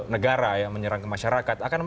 negara menyerang masyarakat